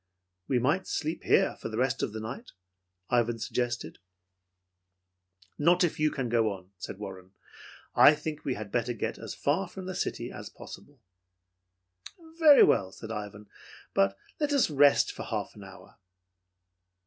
"We might sleep here for the rest of the night," Ivan suggested. "Not if you can go on," said Warren. "I think we had better get as far from the city as possible." "Very well," said Ivan, "but let us rest for half an hour."